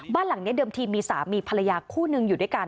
บ้านหลังนี้เดิมทีมีสามีภรรยาคู่นึงอยู่ด้วยกัน